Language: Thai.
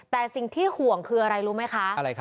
แต่สิ่งที่ห่วงคืออะไรรู้ไหมคะ